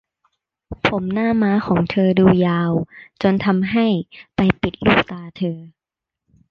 ผมหน้าม้าของเธอดูยาวจนทำให้ไปปิดลูกตาเธอ